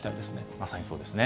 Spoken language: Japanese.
まさにそうですね。